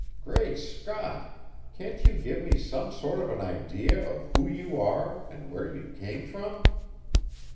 Great Scott, can't you give me some sort of an idea of who you are and where you same from?"